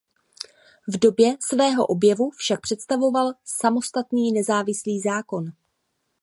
V době svého objevu však představoval samostatný nezávislý zákon.